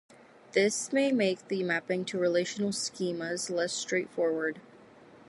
This may make the mapping to relational schemas less straightforward.